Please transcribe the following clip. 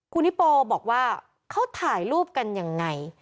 คุณฮิโปบอกว่าเขาถ่ายรูปกันยังไง